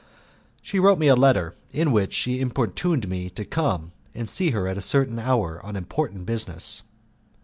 She wrote me a letter, in which she importuned me to come and see her at a certain hour on important business.